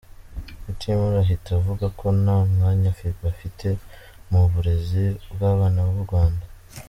Mutimura, ahita avuga ko nta mwanya bafite mu burezi bw’abana b’u Rwanda.